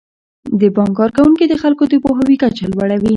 د بانک کارکوونکي د خلکو د پوهاوي کچه لوړوي.